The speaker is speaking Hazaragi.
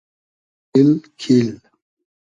آغیل کیل